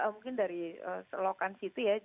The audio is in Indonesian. mungkin dari selokan situ ya